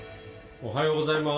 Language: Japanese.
おはようございます。